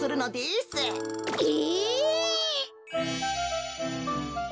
え！？